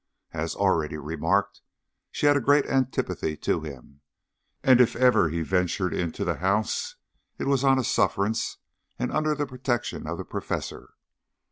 As already remarked, she had a great antipathy to him, and if ever he ventured into the house it was on sufferance, and under the protection of the Professor.